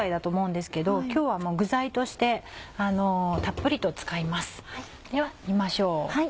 では煮ましょう。